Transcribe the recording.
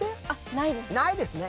ないですね。